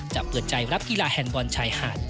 เปิดใจรับกีฬาแฮนดบอลชายหาด